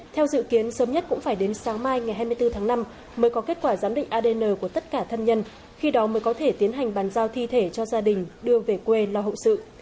theo dự kiến sớm nhất cũng phải đến sáng mai ngày hai mươi bốn tháng năm mới có kết quả giám định adn của tất cả thân nhân khi đó mới có thể tiến hành bàn giao thi thể cho gia đình đưa về quê lo hậu sự